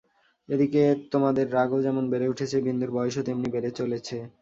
এদিকে তোমাদের রাগও যেমন বেড়ে উঠেছে বিন্দুর বয়সও তেমনি বেড়ে চলেছে।